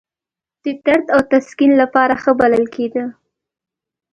د درد او تسکین لپاره ښه بلل کېده.